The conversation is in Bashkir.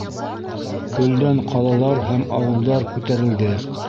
Көлдән ҡалалар һәм ауылдар күтәрелде...